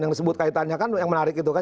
yang disebut kaitannya kan yang menarik itu kan